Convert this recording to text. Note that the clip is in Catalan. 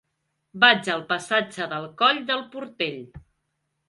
Vaig al passatge del Coll del Portell.